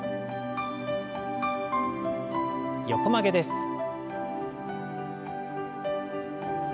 横曲げです。